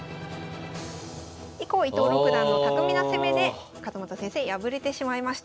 以降伊藤六段の巧みな攻めで勝又先生敗れてしまいました。